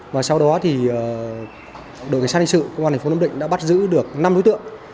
và sau đó thì đội sát hình sự công an tp nam định đã bắt giữ được năm đối tượng